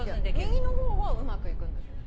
右の方はうまくいくんだけど。